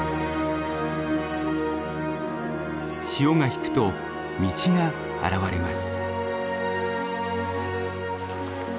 潮が引くと道が現れます。